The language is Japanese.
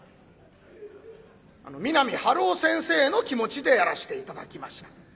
あの三波春夫先生の気持ちでやらして頂きました。